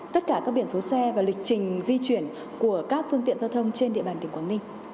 tất cả các biển số xe và lịch trình di chuyển của các phương tiện giao thông trên địa bàn tỉnh quảng ninh